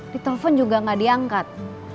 ditelepon juga gak diangkat